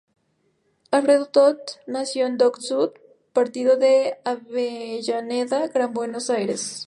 Alfredo Toth nació en Dock Sud, partido de Avellaneda, Gran Buenos Aires.